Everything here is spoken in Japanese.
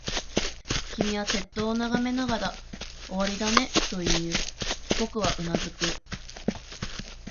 君は鉄塔を眺めながら、終わりだね、と言う。僕はうなずく。